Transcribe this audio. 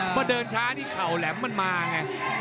พอเดินช้านี่เข่าแหลมมันมาไง